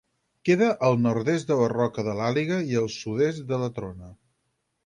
Queda al nord-est de la Roca de l'Àliga i al sud-est de la Trona.